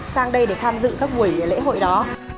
sang đây để tham dự các buổi lễ hội đó